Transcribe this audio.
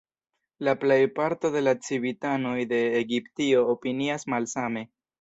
La plejparto de la civitanoj de Egiptio opinias malsame.